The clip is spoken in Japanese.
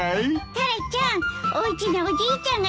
タラちゃんおうちにおじいちゃんがいていいわね。